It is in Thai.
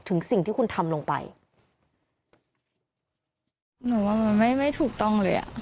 สิ่งที่คุณทำลงไปหนูว่ามันไม่ไม่ถูกต้องเลยอ่ะ